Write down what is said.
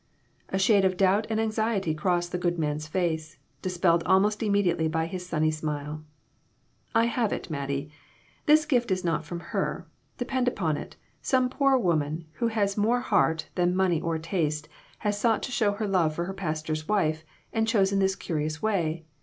A shade of doubt and anxiety crossed the good man's face, dispelled almost immediately by his sunny smile. " I have it, Mattie ; this gift is not from her. Depend upon it, some poor woman, who has more heart than money or taste, has sought to show her love for her pastor's wife, and chosen this curious way.